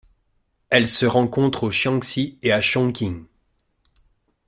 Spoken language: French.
Elle se rencontre au Jiangxi et à Chongqing.